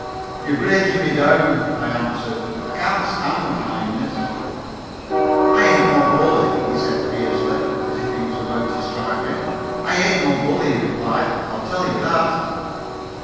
"You're breaking me down," I answered; "I can't stand kindness." "I ain't no bully," he said fiercely, as if he was about to strike me. "I ain't no bully," he repeated, "I'll tell you that."